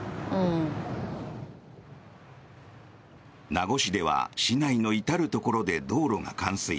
名護市では市内の至るところで道路が冠水。